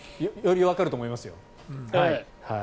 よりわかると思いますよ。